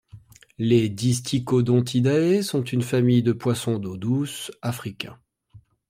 Les Distichodontidae sont une famille de poissons d’eau douce africains.